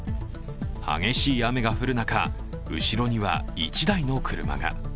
激しい雨が降る中、後ろには１台の車が。